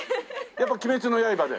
やっぱ『鬼滅の刃』で？